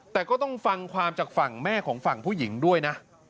แต่ก็ต้องฟังความจากฝั่งแม่ของฝั่งผู้หญิงด้วยนะ